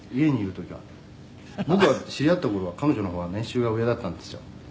「知り合った頃は彼女の方が年収が上だったんですよ」